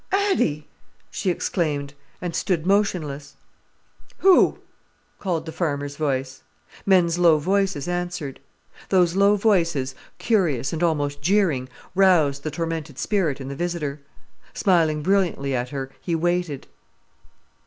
—Addy!" she exclaimed, and stood motionless. "Who?" called the farmer's voice. Men's low voices answered. Those low voices, curious and almost jeering, roused the tormented spirit in the visitor. Smiling brilliantly at her, he waited.